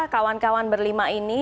kawan kawan berlima ini